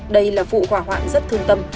đây là vụ hỏa hoạn rất thương tâm